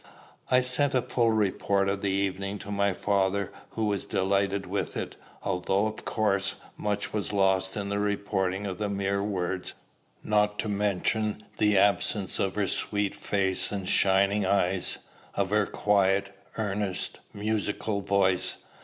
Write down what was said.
I sent a full report of the evening to my father, who was delighted with it, although, of course, much was lost in the reporting of the mere words, not to mention the absence of her sweet face and shining eyes, of her quiet, earnest, musical voice.